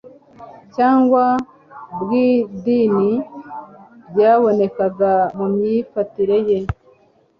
cyangwa bw'idini byabonekaga mu myifatire ye,